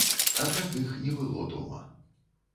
Аднак іх не было дома.